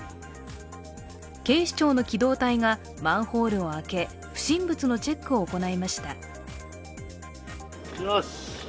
警視庁の機動隊がマンホールを開け、不審物のチェックを行いました。